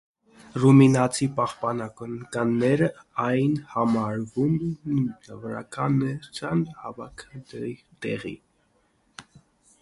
Ռումինացի պահպանողականները այն համարում էին մտավորականության հավաքատեղի։